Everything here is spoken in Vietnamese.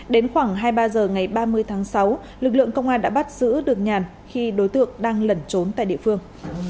đến khoảng hai mươi ba h ngày ba mươi tháng sáu lực lượng công an đã bắt giữ được nhàn khi đối tượng đang lẩn trốn tại địa phương